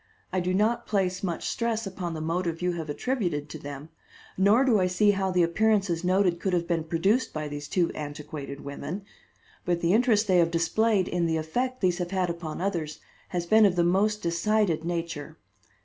I do not place much stress upon the motive you have attributed to them, nor do I see how the appearances noted could have been produced by these two antiquated women; but the interest they have displayed in the effect these have had upon others has been of the most decided nature.